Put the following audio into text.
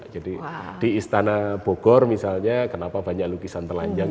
jadi di istana bogor misalnya kenapa banyak lukisan telanjang